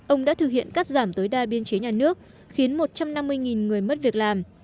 ông đã thực hiện cắt giảm tối đa biên chế nhà nước khiến một trăm năm mươi người mất việc làm